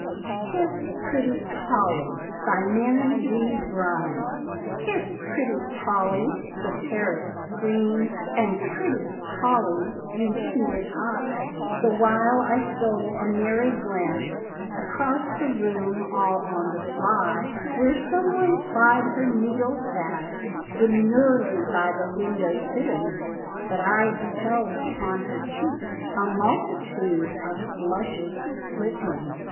"KISS PRETTY POLL!" BY MARY D. BRINE. "Kiss Pretty Poll!" the parrot screamed, And "Pretty Poll," repeated I, The while I stole a merry glance Across the room all on the sly, Where some one plied her needle fast, Demurely by the window sitting; But I beheld upon her cheek A multitude of blushes flitting.